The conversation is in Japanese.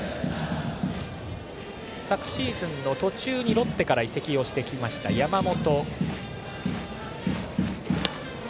昨シーズン途中にロッテから移籍してきました、山本。